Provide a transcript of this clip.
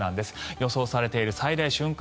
予想されている最大瞬間